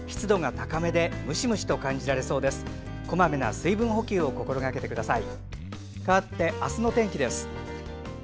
こまめな水分補給を心がけてください。